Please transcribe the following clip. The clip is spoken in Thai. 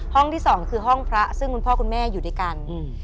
ที่สองคือห้องพระซึ่งคุณพ่อคุณแม่อยู่ด้วยกัน